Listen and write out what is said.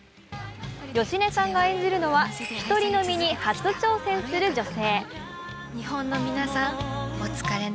芳根さんが演じるのは、一人飲みに初挑戦する女性。